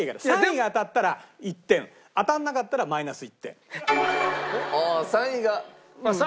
３位が当たったら１点当たらなかったらマイナス。